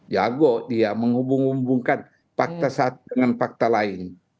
jago dia menghubung hubungkan fakta satu dengan fakta lain